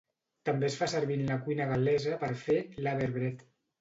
També es fa servir en la cuina gal·lesa per fer "laverbread".